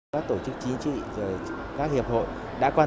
với mục tiêu kết nối các thành phần